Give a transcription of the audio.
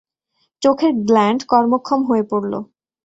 চোখের গ্ল্যাণ্ড কর্মক্ষম হয়ে পড়ল।